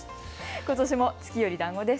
ことしも月よりだんごです。